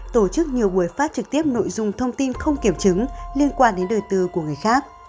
tổ chức nhiều buổi phát trực tiếp nội dung thông tin không kiểm chứng liên quan đến đời tư của người khác